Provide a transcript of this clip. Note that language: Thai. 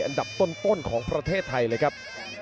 อันดับต้นของประเทศไทยเลยครับ